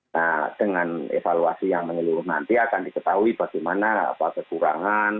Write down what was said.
nah dengan evaluasi yang menyeluruh nanti akan diketahui bagaimana kekurangan